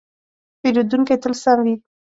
پیرودونکی تل سم وي.